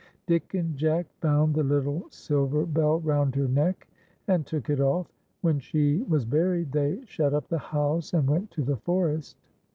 Dick and Jack found the little silver bell round her neck and took it off. When she was buried they shut up the house and went to the forest.